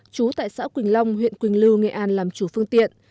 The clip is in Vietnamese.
chú tại xã quỳnh long huyện quỳnh lưu nghệ an làm chủ phương tiện